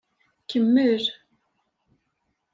Kemmel.